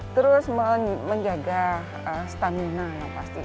terus menjaga stamina yang pasti